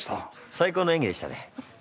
最高の演技でしたね。